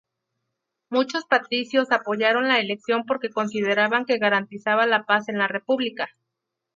Muchos patricios apoyaron la elección porque consideraban que garantizaba la paz en la República.